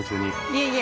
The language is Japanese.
いえいえ。